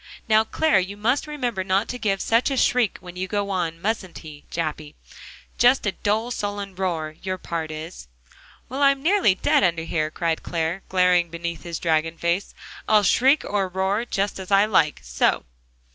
"Now, Clare, you must remember not to give such a shriek when you go on, mustn't he, Jappy? Just a dull, sullen roar, your part is." "Well, I'm nearly dead under here," cried Clare, glaring beneath his dragon face. "I'll shriek, or roar, just as I like, so!"